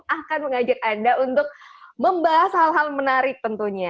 akan mengajak anda untuk membahas hal hal menarik tentunya